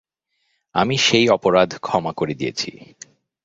আমি সেই অপরাধ ক্ষমা করে দিয়েছি।